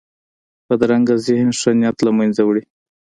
بدرنګه ذهن ښه نیت له منځه وړي